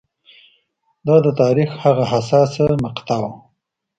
دا د تاریخ هغه حساسه مقطعه وه